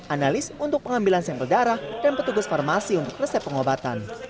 analis untuk pengambilan sampel darah dan petugas farmasi untuk resep pengobatan